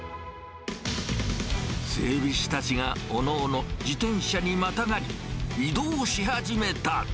整備士たちがおのおの自転車にまたがり、移動し始めた。